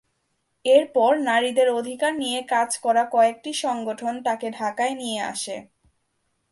এরপর নারীদের অধিকার নিয়ে কাজ করা কয়েকটি সংগঠন তাকে ঢাকায় নিয়ে আসে।